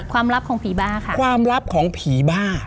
ความลับของผีบ้าค่ะ